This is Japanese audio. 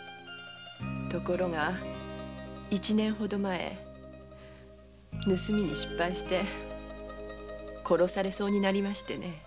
ところが一年ほど前盗みに失敗して殺されそうになりましてね。